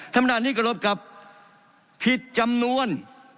ธรรมดานนี้ก็รวบกับผิดจำนวน